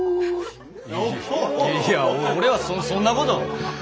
いや俺はそそんなこと。